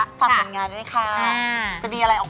ก็โอเคนะเพราะว่าดูดุแบบนี้เหรอคะ